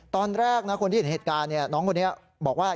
ตอนแรกนะคนที่เห็นเหตุการณ์น้องคนนี้บอกว่า